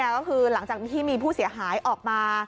ก็คือหลังจากที่มีผู้เสียหายออกมา